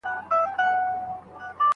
دغه دوې د سعد بن ربيع لوڼي دي.